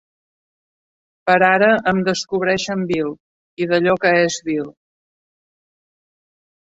Per ara em descobreixen vil, i d'allò que és vil.